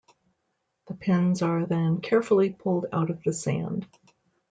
The pins are then carefully pulled out of the sand.